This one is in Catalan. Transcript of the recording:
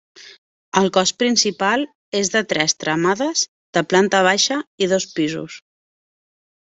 El cos principal és de tres tramades, de planta baixa i dos pisos.